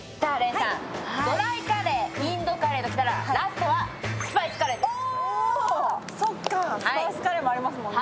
ドライカレー、インドカレーときたら、ラストはスパイスカレーですお、そうか、スパイスカレーもありますもんね。